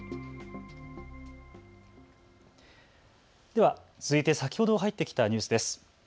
では続いて先ほど入ってきたニュースです。